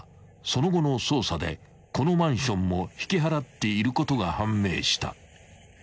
［その後の捜査でこのマンションも引き払っていることが判明した］